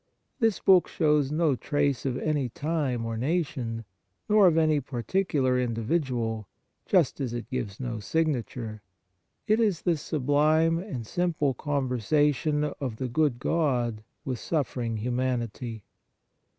This book shows no trace of any time or nation, nor of any particular indi vidual, just as it gives no signature. It is the sublime and simple conver sation of the good God with suffering humanity.